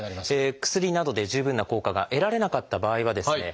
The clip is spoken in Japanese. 薬などで十分な効果が得られなかった場合はですね